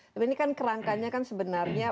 tapi ini kan kerangkanya kan sebenarnya